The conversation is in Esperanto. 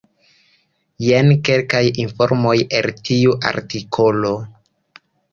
Jen kelkaj informoj el tiu artikolo.